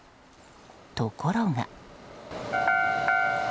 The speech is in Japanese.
ところが。